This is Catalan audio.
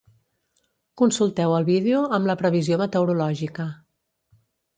Consulteu el vídeo amb la previsió meteorològica